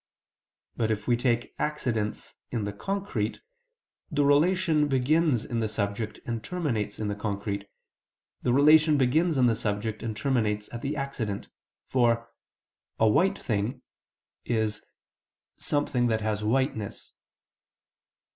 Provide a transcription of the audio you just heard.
But if we take accidents in the concrete, the relation begins in the subject and terminates in the concrete, the relation begins in the subject and terminates at the accident: for "a white thing" is "something that has whiteness."